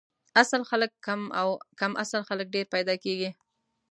اصل خلک کم او کم اصل خلک ډېر پیدا کیږي